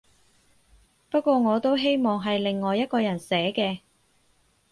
不過我都希望係另外一個人寫嘅